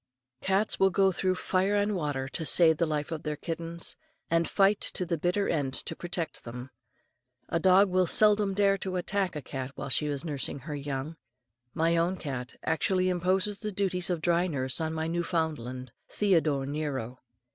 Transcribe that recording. Cats will go through fire and water to save the life of their kittens, and fight to the bitter end to protect them. A dog will seldom dare to attack a cat while she is nursing her young. My own cat actually imposes the duties of dry nurse on my Newfoundland, "Theodore Nero."